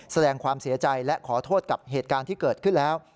แสดงความเสียใจและขอโทษกับเหตุการณ์ที่เกิดขึ้นแล้ว